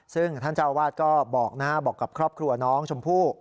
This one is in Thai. ซึ่งท่านเจ้าอาวาสก็บอกนะฮะบอกกับครอบครัวน้องชมพู่